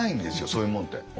そういうもんって。